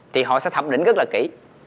thì họ sẽ thẩm định rất là kỹ